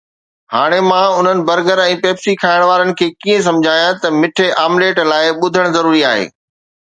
هاڻي مان انهن برگر ۽ پيپسي کائڻ وارن کي ڪيئن سمجهايان ته مٺي آمليٽ لاءِ ٻڌڻ ضروري آهي؟